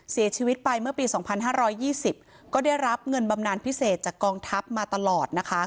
เสียชีวิตไปเมื่อปี๒๕๒๐ก็ได้รับเงินบำนานพิเศษจากกองทัพมาตลอดนะคะ